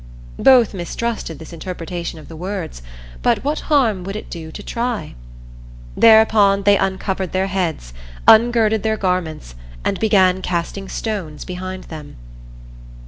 Both mistrusted this interpretation of the words, but what harm would it do to try? Thereupon they uncovered their heads, ungirded their garments and began casting stones behind them.